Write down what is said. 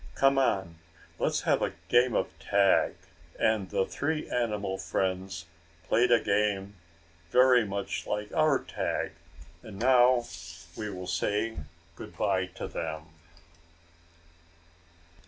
"Come on, let's have a game of tag." And the three animal friends played a game very much like our tag; and now we will say good by to them.